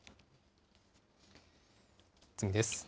次です。